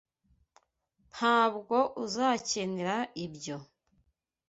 Ntabwo uzakenera ibyo